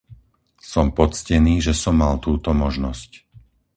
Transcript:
Som poctený, že som mal túto možnosť.